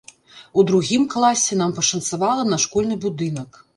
У другім класе нам пашанцавала на школьны будынак.